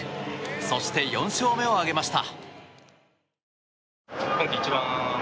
そして４勝目を挙げました。